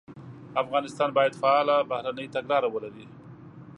افغانستان باید فعاله بهرنۍ تګلاره ولري.